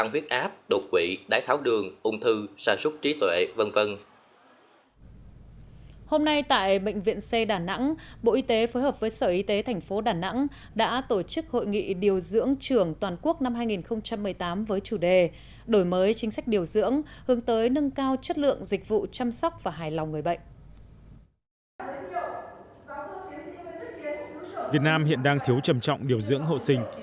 việt nam hiện đang thiếu trầm trọng điều dưỡng hậu sinh